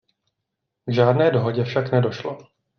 K žádné dohodě však nedošlo.